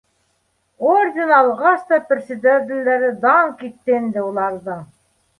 — Орден да алғас председателдәре, дан китте инде уларҙың